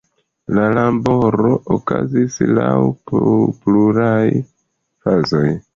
La laboro okazis laŭ pluraj fazoj.